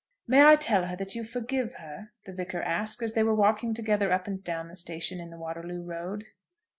"May I tell her that you forgive her?" the Vicar asked, as they were walking together up and down the station in the Waterloo Road.